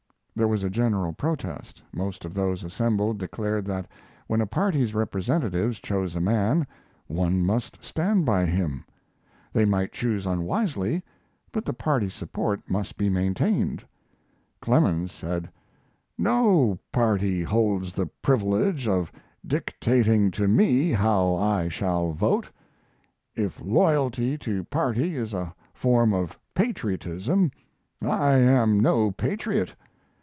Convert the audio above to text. There was a general protest. Most of those assembled declared that when a party's representatives chose a man one must stand by him. They might choose unwisely, but the party support must be maintained. Clemens said: "No party holds the privilege of dictating to me how I shall vote. If loyalty to party is a form of patriotism, I am no patriot.